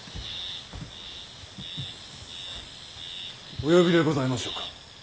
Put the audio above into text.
お呼びでございましょうか。